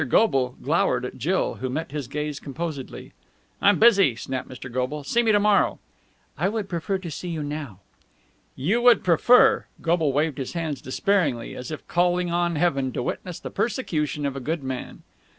Goble glowered at Jill, who met his gaze composedly. "I'm busy!" snapped Mr. Goble. "See me to morrow!" "I would prefer to see you now." "You would prefer!" Mr. Goble waved his hands despairingly, as if calling on heaven to witness the persecution of a good man.